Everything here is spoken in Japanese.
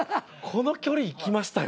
この距離いきました。